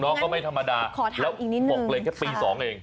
น้องก็ไม่ธรรมดาแล้วอีกนิดบอกเลยแค่ปี๒เอง